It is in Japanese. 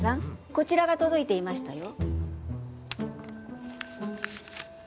こちらが届いていましたよ。